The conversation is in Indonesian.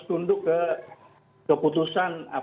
tunduk ke keputusan